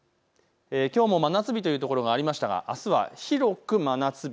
きょうも真夏日というところがありましたがあすは広く真夏日。